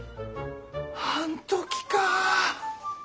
あん時か。